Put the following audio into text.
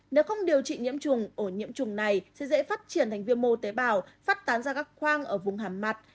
nếu không điều trị nhiễm trùng ổ nhiễm trùng này sẽ dễ phát triển thành viêm mô tế bào phát tán ra các khoang ở vùng hàm mặt